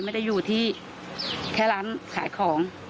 ไม่ที่จะอยู่จุดแค่ร้านขายของ